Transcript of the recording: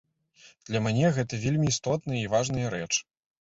Для мане гэта вельмі істотная і важная рэч.